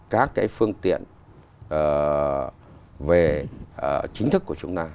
các cái phương tiện về chính thức của chúng ta